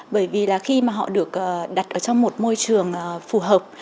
bởi vì là khi mà họ được đặt ở trong một môi trường phù hợp